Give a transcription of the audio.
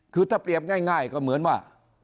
คือถ้าเปรียบง่ายก็เหมือนว่า